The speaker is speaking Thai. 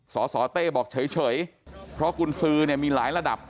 สสเต้บอกเฉยเพราะกุญสือเนี่ยมีหลายระดับ